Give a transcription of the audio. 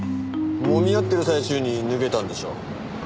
揉み合ってる最中に脱げたんでしょ。